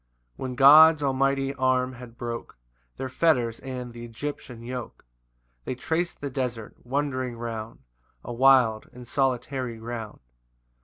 3 [When God's almighty arm had broke Their fetters and th' Egyptian yoke, They trac'd the desert, wandering round A wild and solitary ground.